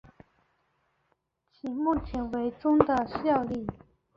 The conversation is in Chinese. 其目前为中的效力。